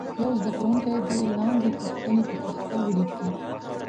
یو زده کوونکی دې لاندې پوښتنې پر تخته ولیکي.